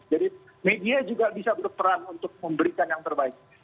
jadi media juga bisa berperan untuk memberikan yang terbaik